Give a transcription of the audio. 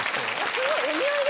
すごい。